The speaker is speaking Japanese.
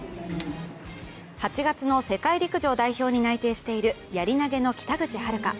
８月の世界陸上代表に内定しているやり投げの北口榛花。